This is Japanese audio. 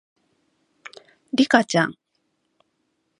リカちゃん